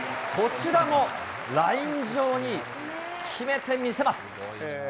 こちらもライン上に決めてみせます。